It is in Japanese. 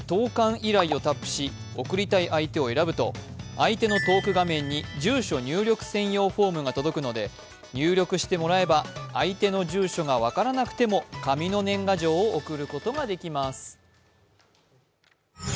依頼をタップし、送りたい画面を選ぶと、相手のトーク画面に住所入力フォームが届くので入力してもらえば相手の住所が分からなくても紙の年賀状を送ることができます